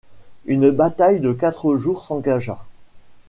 Une bataille de quatre jours s'engagea.